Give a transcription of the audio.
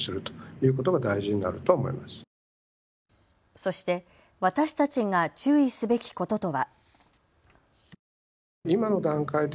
そして、私たちが注意すべきこととは。